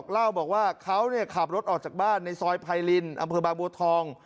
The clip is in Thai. เล่าบอกว่าเขาขับรถออกจากบ้านในซอยไพรินอำเภอบางบัวทอง